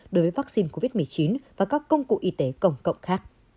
đối với vaccine covid một mươi chín và các công cụ y tế công cộng khác